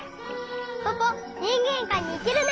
ポポにんげんかいにいけるね！